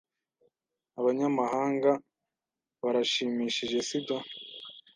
Abanyamahanga barashimishije, sibyo?